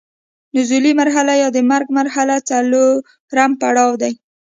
نزولي مرحله یا د مرګ مرحله څلورم پړاو دی.